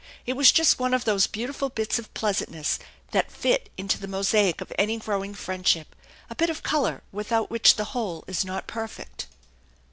It was just one of those beautiful bits of pleasantness that fit into the mosaic of any growing friendship, a bit of color without which the whole is not perfect.